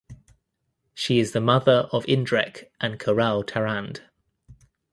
She is the mother of Indrek and Kaarel Tarand.